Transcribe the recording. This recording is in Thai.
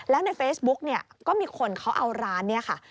แล้วในเฟซบุ๊กเนี่ยก็มีคนเขาเอาร้านเนี่ยค่ะ